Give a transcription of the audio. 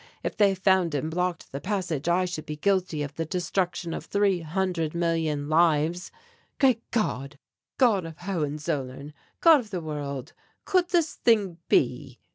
If they found and blocked the passage I should be guilty of the destruction of three hundred million lives Great God! God of Hohenzollern! God of the World! could this thing be?"